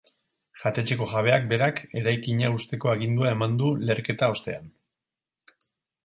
Jatetxeko jabeak berak eraikina husteko agindua eman du leherketa ostean.